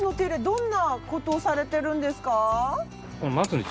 どんな事をされているんですか？